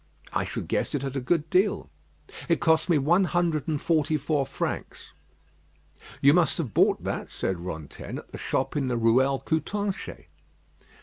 "I should guess it at a good deal." "It cost me one hundred and forty four francs." "You must have bought that," said Rantaine, "at the shop in the Ruelle Coutanchez."